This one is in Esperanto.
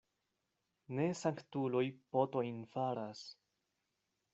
Ne sanktuloj potojn faras.